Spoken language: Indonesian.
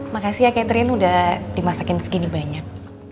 makasih ya catering udah dimasakin segini banyak